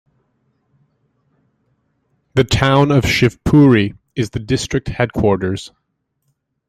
The town of Shivpuri is the district headquarters.